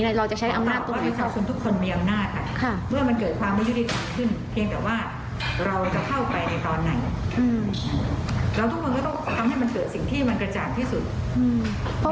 ในการเราฉันใช้อำนาจตรง๑๙๘๒